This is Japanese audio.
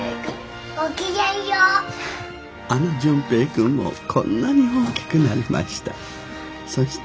あの純平君もこんなに大きくなりました。